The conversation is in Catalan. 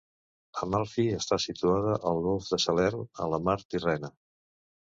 Amalfi està situada al Golf de Salern, a la Mar Tirrena.